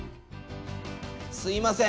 すいません。